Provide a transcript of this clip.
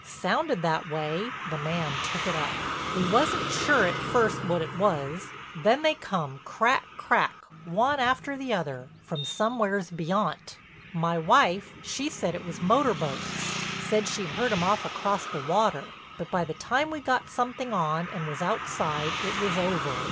"Sounded that way," the man took it up. "We wasn't sure at first what it was; then they come crack, crack, one after the other, from somewheres beyont. My wife, she said it was motor boats, said she heard 'em off across the water. But by the time we got something on and was outside it was over.